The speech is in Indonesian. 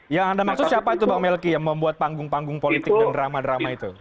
yang anda maksud siapa itu bang melki yang membuat panggung panggung politik dan drama drama itu